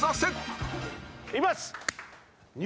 いきます。